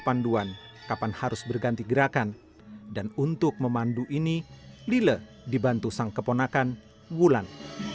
panduan kapan harus berganti gerakan dan untuk memandu ini lile dibantu sang keponakan wulan